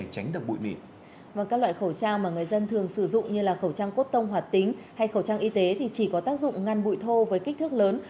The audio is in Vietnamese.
và các loại khẩu trang mà người dân thường sử dụng như là khẩu trang cốt tông hoạt tính hay khẩu trang y tế thì chỉ có tác dụng ngăn bụi thô với kích thước lớn